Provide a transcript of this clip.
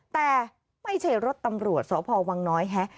แต่ไม่ใช่รถตำรวจสพวังน้อยฮะ